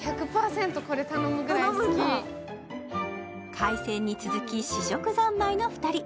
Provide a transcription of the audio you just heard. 海鮮に続き試食三昧の２人。